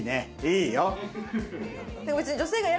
いいよ。